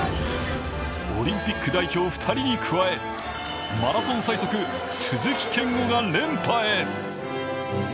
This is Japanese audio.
オリンピック代表２人に加え、マラソン最速・鈴木健吾が連覇へ。